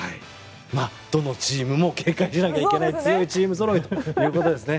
どのチームも警戒しなきゃいけない強いチームぞろいということですね。